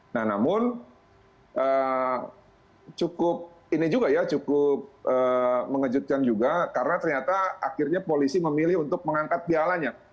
nah namun cukup ini juga ya cukup mengejutkan juga karena ternyata akhirnya polisi memilih untuk mengangkat pialanya